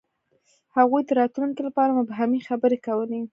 هغوی د راتلونکي لپاره مبهمې خبرې کولې.